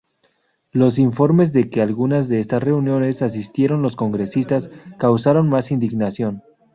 Los informes de que algunas de estas reuniones asistieron los congresistas causaron más indignación.